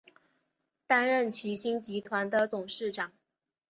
担任齐星集团的董事长。